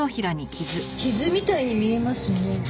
傷みたいに見えますね。